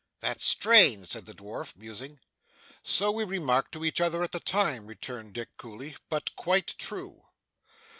'That's strange,' said the dwarf, musing. 'So we remarked to each other at the time,' returned Dick coolly, 'but quite true.